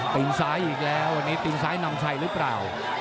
ตีนซ้ายอีกแล้ววันนี้ตีนซ้ายนำชัยหรือเปล่า